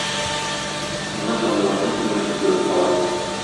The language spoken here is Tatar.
Моны Сандугачның сеңлесе күреп кала.